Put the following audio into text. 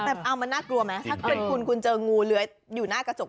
แต่เอามันน่ากลัวไหมถ้าเป็นคุณคุณเจองูเลื้อยอยู่หน้ากระจก